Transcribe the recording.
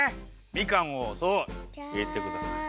みかんをそういれてください。